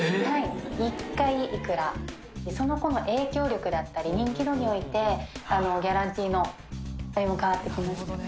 １回いくらその子の影響力だったり人気度においてギャランティーのあれも変わってきますね